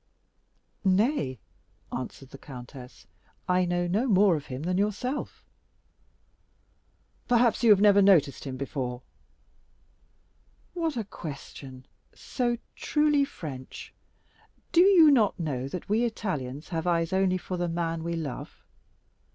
"Nay," answered the countess, "I know no more of him than yourself." "Perhaps you never before noticed him?" "What a question—so truly French! Do you not know that we Italians have eyes only for the man we love?"